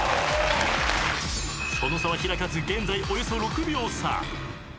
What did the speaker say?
［その差は開かず現在およそ６秒差］